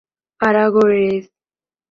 Aragonese